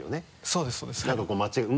そうです。